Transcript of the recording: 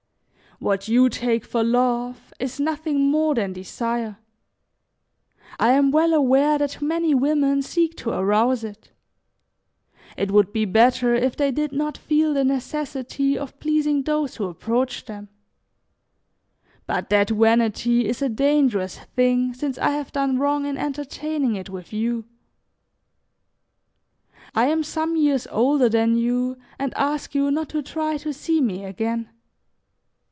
"What you take for love is nothing more than desire. I am well aware that many women seek to arouse it; it would be better if they did not feel the necessity of pleasing those who approach them; but that vanity is a dangerous thing since I have done wrong in entertaining it with you. "I am some years older than you and ask you not to try to see me again.